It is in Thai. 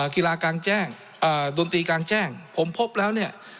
กีฬากลางแจ้งดนตรีกลางแจ้งผมพบแล้วเนี่ย